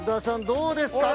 どうですか？